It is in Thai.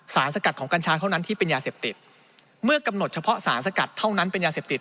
สกัดของกัญชาเท่านั้นที่เป็นยาเสพติดเมื่อกำหนดเฉพาะสารสกัดเท่านั้นเป็นยาเสพติด